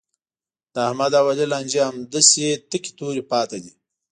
د احمد او علي لانجې همداسې تکې تورې پاتې دي.